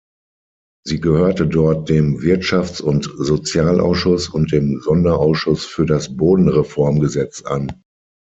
Sie gehörte dort dem Wirtschafts- und Sozialausschuss und dem Sonderausschuss für das Bodenreformgesetz an.